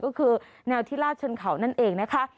ก็คือแนวที่ลาดชนเขานั่นเองนะคะ